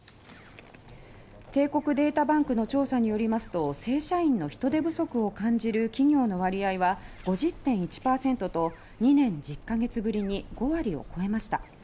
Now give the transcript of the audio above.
帝国データバンクの調査によりますと正社員の人手不足を感じる企業の割合は５０．１％と２年１０か月ぶりに５割を超えました。